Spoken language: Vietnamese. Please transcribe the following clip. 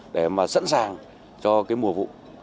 để mà sẵn sàng cho cái mùa vụ